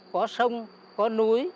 có sông có núi